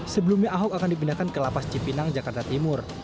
sebelumnya ahok akan dipindahkan ke lapas cipinang jakarta timur